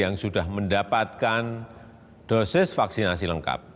yang sudah mendapatkan dosis vaksinasi lengkap